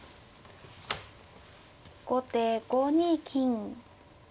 後手５二金。